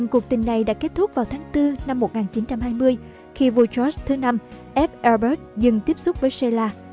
cuộc tình này đã kết thúc vào tháng bốn năm một nghìn chín trăm hai mươi khi vua george v ép albert dừng tiếp xúc với sheila